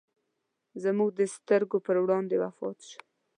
زموږ د سترګو پر وړاندې وفات شو.